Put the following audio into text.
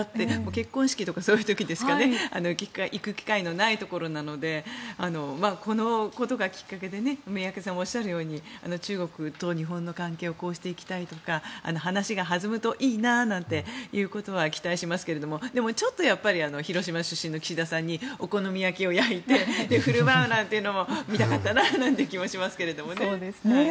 結婚式とかそういう時でしか行く機会のないところなのでこのことがきっかけで宮家さんもおっしゃるように中国と日本の関係をこうしていきたいとか話が弾むといいななんて期待しますけれどでもちょっと広島出身の岸田さんにお好み焼きを焼いて振る舞うなんていうのを見たかったななんて気もしますけどね。